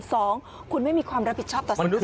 สองคุณไม่มีความรับผิดชอบต่อสังคม